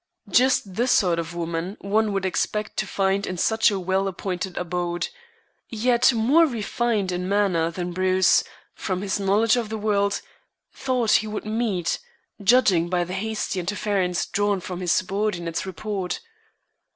Just the sort of woman one would expect to find in such a well appointed abode, yet more refined in manner than Bruce, from his knowledge of the world, thought he would meet, judging by the hasty inferences drawn from his subordinate's report.